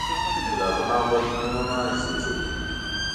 انقلابونه او بدلونونه زېږوي.